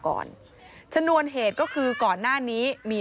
โปรดติดตามต่อไป